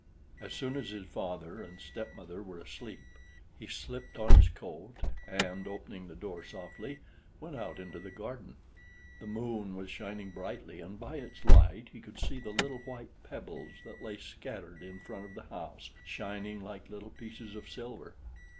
As soon as his father and stepmother were asleep, he slipped on his coat, and opening the door softly, went out into the garden. The moon was shining brightly, and by its light he could see the little white pebbles that lay scattered in front of the house, shining like little pieces of silver.